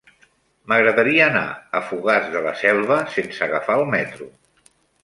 M'agradaria anar a Fogars de la Selva sense agafar el metro.